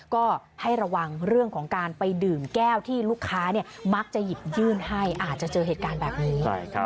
ก็ให้ระวังเรื่องของการไปดื่มแก้วที่ลูกค้ามักจะหยิบยื่นให้อาจจะเจอเหตุการณ์แบบนี้